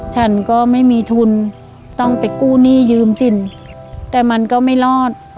ฉันก็ไม่มีทุนต้องไปกู้หนี้ยืมสินแต่มันก็ไม่รอด